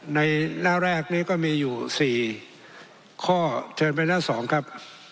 ในหน้าแรกนี้ก็มีอยู่๔ข้อเชิญไปแล้ว๒ครับ